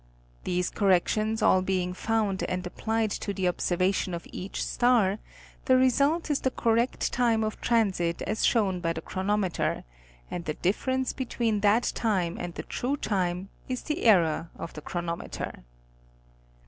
These corrections all being found and applied to the observation of each star, the result is the correct time of transit as shown by the chronometer, and the difference between that time and the true time, is the error of the chronometer.